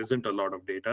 tidak ada banyak data